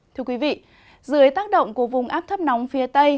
thưa quý vị dưới tác động của vùng áp thấp nóng phía tây